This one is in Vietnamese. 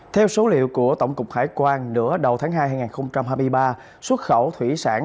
theo số liệu của tổng cục hải quan nửa đầu tháng hai hai nghìn hai mươi ba xuất khẩu thủy sản